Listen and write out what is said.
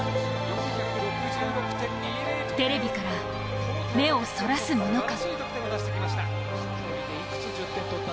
テレビから、目をそらすものか。